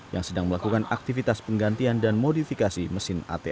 yang sedang melakukan aktivitas penggantian dan modifikasi mesin atm